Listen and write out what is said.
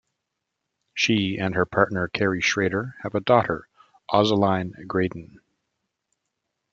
She and her partner, Carrie Schrader, have a daughter, Ozilline Graydon.